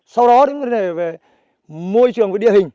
sau đó đến vấn đề về môi trường về địa hình